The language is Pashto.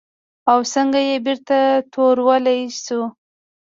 او څنګه یې بېرته تورولی شو؟